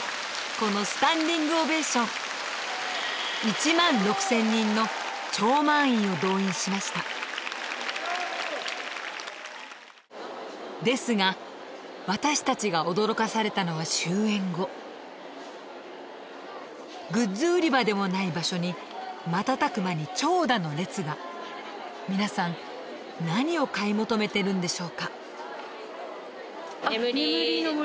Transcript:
このスタンディングオベーションを動員しましたですが私たちが驚かされたのは終演後グッズ売り場でもない場所に瞬く間に長蛇の列が皆さん何を買い求めてるんでしょうか